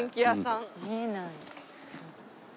見えない。